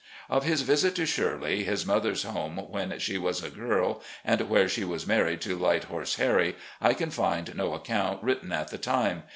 Of his visit to "Shirley," his mother's home when she was a girl, and where she was married to "Light Horse Harry," I can find no accoimt ■written at the time.